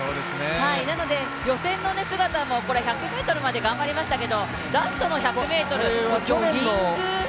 なので予選の姿も１００ｍまで頑張りましたけれども、ラストの１００ｍ。